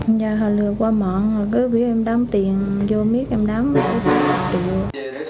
nhà họ lừa qua mọi người cứ biết em đám tiền vô miếng em đám em sẽ đám được